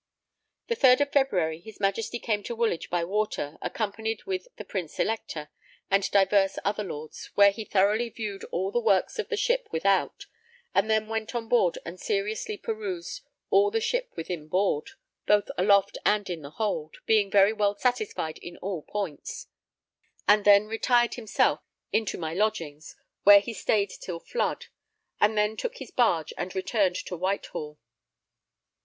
The 3rd of February, his Majesty came to Woolwich by water, accompanied with the Prince Elector and divers other lords, where he thoroughly viewed all the works of the ship without; and then went on board and seriously perused all the ship within board, both aloft and in the hold, being very well satisfied in all points; and then retired himself into my lodgings, where he stayed till flood, and then took his barge and returned to Whitehall.